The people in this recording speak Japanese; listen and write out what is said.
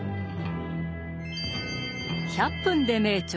「１００分ｄｅ名著」